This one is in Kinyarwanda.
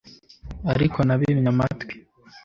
Ariko nabimye amatwi